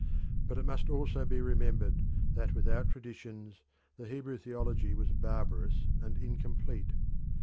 But it must also be remembered that without traditions the Hebrew theology was barbarous and incomplete.